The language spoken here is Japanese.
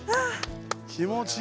気持ちいい。